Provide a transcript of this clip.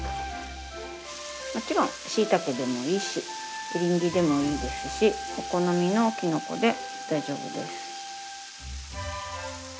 もちろんしいたけでもいいしエリンギでもいいですしお好みのきのこで大丈夫です。